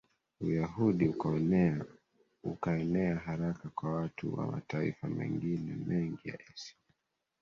Uyahudi ukaenea haraka kwa watu wa mataifa mengine mengi ya Asia